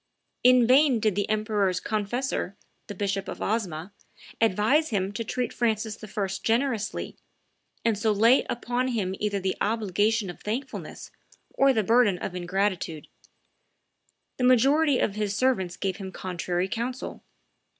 In vain did the emperor's confessor, the Bishop of Osma, advise him to treat Francis I. generously, and so lay upon him either the obligation of thankfulness or the burden of ingratitude; the majority of his servants gave him contrary counsel.